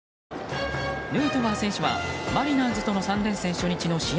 ヌートバー選手はマリナーズとの３連戦初日の試合